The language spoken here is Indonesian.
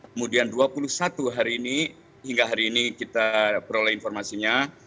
kemudian dua puluh satu hari ini hingga hari ini kita peroleh informasinya